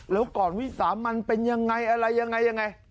แล้วก่อนวิสามันเป็นยังไงอะไรยังไงยังไง